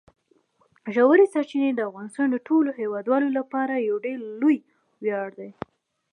ژورې سرچینې د افغانستان د ټولو هیوادوالو لپاره یو ډېر لوی ویاړ دی.